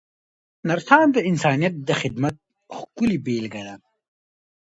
نرسان د انسانیت د خدمت ښکلې بېلګه ده.